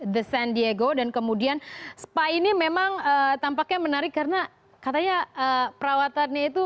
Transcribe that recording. the scene diego dan kemudian spa ini memang tampaknya menarik karena katanya perawatannya itu